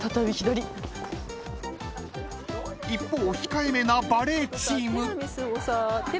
［一方控えめなバレーチーム］